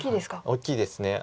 大きいです。